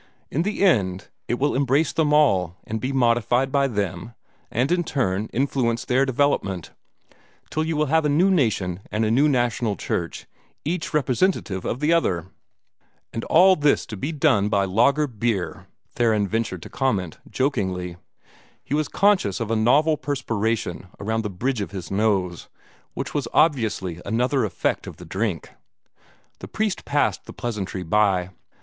In the end, it will embrace them all, and be modified by them, and in turn influence their development, till you will have a new nation and a new national church, each representative of the other." "And all this is to be done by lager beer!" Theron ventured to comment, jokingly. He was conscious of a novel perspiration around the bridge of his nose, which was obviously another effect of the drink. The priest passed the pleasantry by.